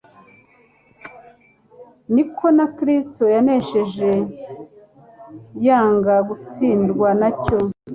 ni ko na Kristo yanesheje yanga gutsindwa na cyo.